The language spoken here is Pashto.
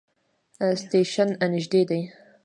سټیشن نژدې دی